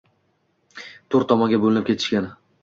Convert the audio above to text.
To‘rt tomonga bo‘linib ketishgan.